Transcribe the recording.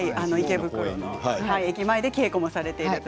池袋の駅前で稽古もされています。